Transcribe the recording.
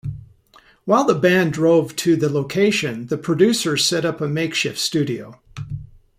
While the band drove to the location, the producer set up a makeshift studio.